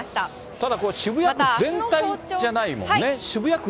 ただ渋谷区全体じゃないもんね。